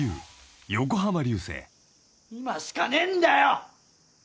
「今しかねえんだよ！」